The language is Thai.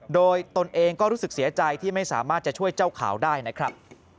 โดยตนเองก็รู้สึกเสียใจที่ไม่สามารถจะช่วยเจ้าขาวได้นะครับ